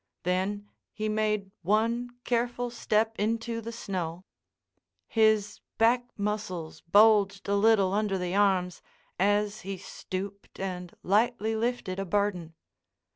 Then he made one careful step into the snow. His back muscles bulged a little under the arms as he stooped and lightly lifted a burden.